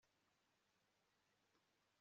itegeko ryo ku wa mbere rihindura ibyafashwe